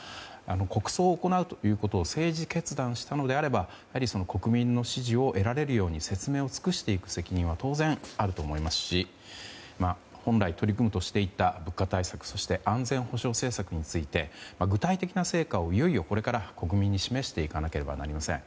国葬を行うということを政治決断したのであれば国民の支持を得られるように説明を尽くしていく責任は当然あると思いますし本来、取り組むとしていた物価対策、安全保障政策について具体的な成果を、いよいよこれから国民に示していかなければなりません。